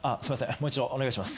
もう一度お願いします。